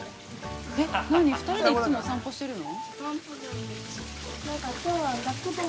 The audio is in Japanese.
◆２人でいつもおさんぽするの？